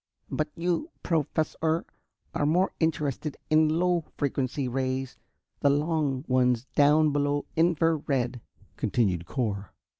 "But you, Professor, are more interested in low frequency rays, the long ones down below infra red," continued Cor.